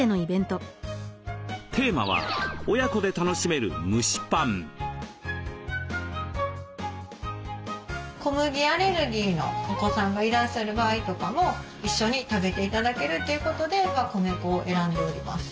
テーマは小麦アレルギーのお子さんがいらっしゃる場合とかも一緒に食べて頂けるということで米粉を選んでおります。